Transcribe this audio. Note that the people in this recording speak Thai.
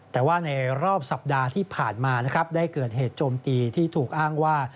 แต่ว่าในรอบสัปดาห์ที่ผ่านมานะครับได้เกิดเหตุโจมตีที่ถูกอ้างว่า